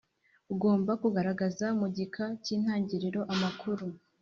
Ugomba kugaragaza mu gika cy’intangiriro amakuru